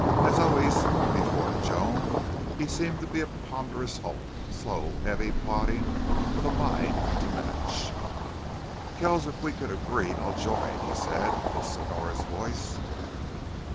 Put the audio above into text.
As always before to Joan, he seemed to be a ponderous hulk, slow, heavy, plodding, with a mind to match. "Kells, if we can agree I'll join," he said in his sonorous voice.